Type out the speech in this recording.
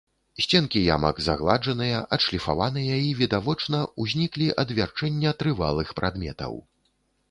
Сценкі ямак загладжаныя, адшліфаваныя і, відавочна, узніклі ад вярчэння трывалых прадметаў.